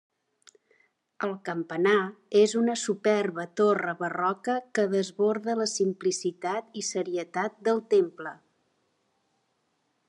El campanar és una superba torre barroca que desborda la simplicitat i serietat del temple.